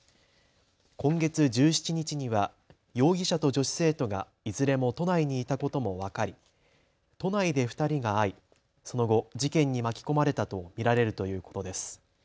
今月１７日には容疑者と女子生徒がいずれも都内にいたことも分かり都内で２人が会い、その後事件に巻き込まれたと見られるということです。